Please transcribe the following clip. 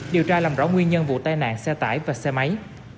điều tra làm rõ nguyên nhân vụ tai nạn xe tải và xe máy